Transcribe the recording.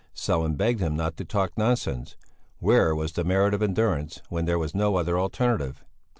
Sellén begged him not to talk nonsense; where was the merit of endurance when there was no other alternative?